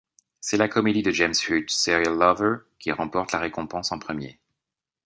C'est la comédie de James Huth, Serial Lover, qui remporte la récompense en premier.